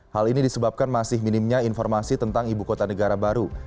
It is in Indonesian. hal ini disebabkan masih minimnya informasi tentang ibu kota negara baru